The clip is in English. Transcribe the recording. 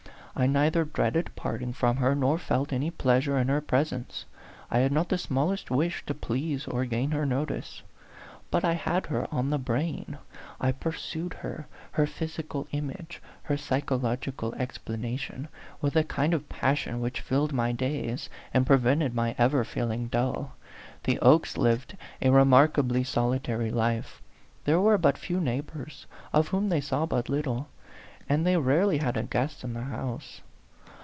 I neither dreaded parting from her nor felt any pleasure in her pres ence. I had not the smallest wish to please or to gain her notice. But I had her on the brain ; I pursued her, her physical image, her psychological explanation, with a kind of passion which filled my days, and prevented my ever feeling dull. The Okes lived a re markably solitary life. There were but few neighbors, of whom they saw but little ; and they rarely had a guest in the house.